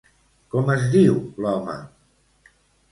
Com es diu l'home?